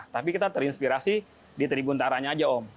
tapi kita terinspirasi di tribun taranya aja om